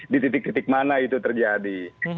di titik titik mana itu terjadi